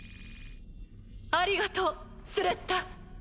ありがとうスレッタ。